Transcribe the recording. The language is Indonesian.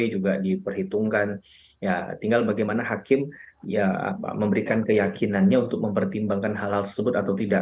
juga diperhitungkan ya tinggal bagaimana hakim ya memberikan keyakinannya untuk mempertimbangkan hal hal tersebut atau tidak